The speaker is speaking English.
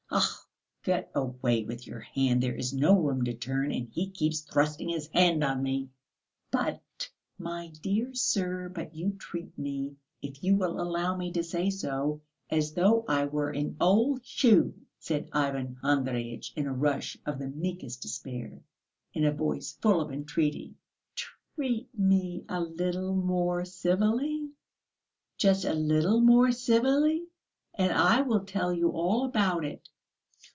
"Ugh, get away with your hand! There is no room to turn, and he keeps thrusting his hand on me!" "But, my dear sir, but you treat me, if you will allow me to say so, as though I were an old shoe," said Ivan Andreyitch in a rush of the meekest despair, in a voice full of entreaty. "Treat me a little more civilly, just a little more civilly, and I will tell you all about it!